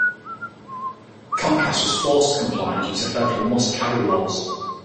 Comcast was forced to comply due to federal must-carry laws.